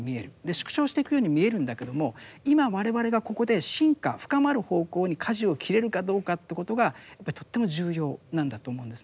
縮小していくように見えるんだけども今我々がここで深化深まる方向に舵を切れるかどうかということがやっぱりとっても重要なんだと思うんですね。